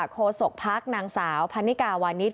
โศกพักนางสาวพันนิกาวานิส